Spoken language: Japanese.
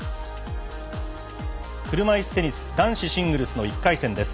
車いすテニス男子シングルスの１回戦です。